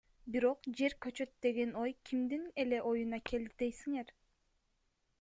Бирок, жер көчөт деген ой кимдин эле оюна келди дейсиңер.